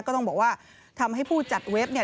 ก็ต้องบอกว่าทำให้ผู้จัดเว็บเนี่ย